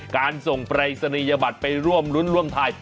การส่งปรายศนียบัตรไปร่วมรุ้นร่วมไทย